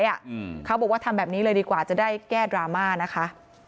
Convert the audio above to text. อืมเขาบอกว่าทำแบบนี้เลยดีกว่าจะได้แก้ดราม่านะคะ